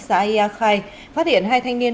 xã yagrai phát hiện hai thanh niên